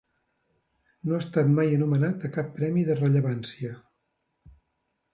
No ha estat mai anomenat a cap premi de rellevància.